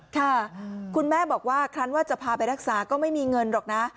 ค่ะคุณแม่บอกว่าครั้นว่าจะพาไปรักษาก็ไม่มีเงินหรอกนะ